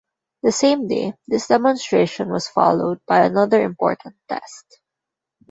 The same day, this demonstration was followed by another important test.